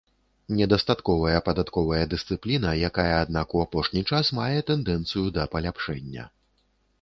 Недастатковая падатковая дысцыпліна, якая, аднак, у апошні час мае тэндэнцыю да паляпшэння.